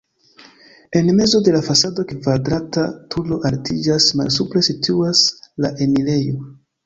En mezo de la fasado kvadrata turo altiĝas, malsupre situas la enirejo.